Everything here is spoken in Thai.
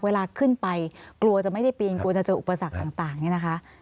เวลาขึ้นไปกลัวจะไม่ได้ปีนกลัวจะเจออุปสรรคต่างเนี่ยนะคะ